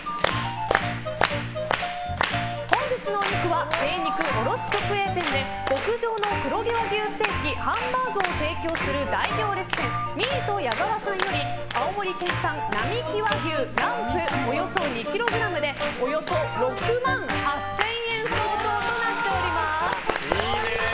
本日のお肉は、精肉卸直営店で極上の黒毛和牛ステーキハンバーグを提供する大行列店ミート矢澤さんより青森県産ＮＡＭＩＫＩ和牛ランプおよそ２ｋｇでおよそ６万８０００円相当となっております。